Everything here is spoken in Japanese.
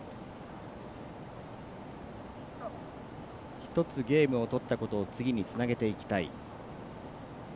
１つゲームを取ったことを次につなげていきたい。